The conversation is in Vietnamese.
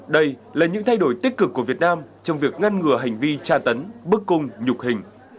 đây là những thay đổi tích cực của việt nam trong việc ngăn ngừa hành vi tra tấn bức cung nhục hình